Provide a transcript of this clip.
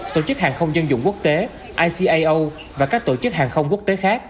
tổ chức hàng không dân dụng quốc tế